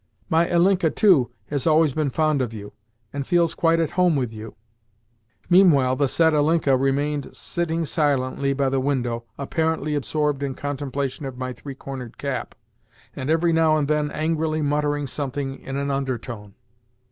My Ilinka too has always been fond of you, and feels quite at home with you." Meanwhile the said Ilinka remained sitting silently by the window, apparently absorbed in contemplation of my three cornered cap, and every now and then angrily muttering something in an undertone.